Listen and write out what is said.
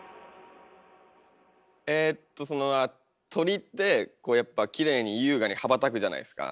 えっとその鳥ってこうやっぱきれいに優雅に羽ばたくじゃないですか。